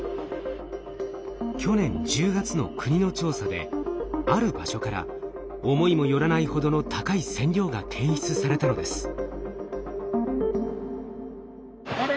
去年１０月の国の調査である場所から思いもよらないほどの高い線量が検出されたのです。